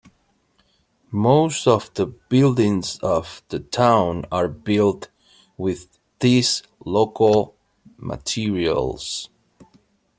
Most of the buildings of the town are built with these local materials.